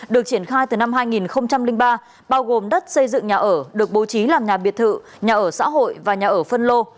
được triển khai từ năm hai nghìn ba bao gồm đất xây dựng nhà ở được bố trí làm nhà biệt thự nhà ở xã hội và nhà ở phân lô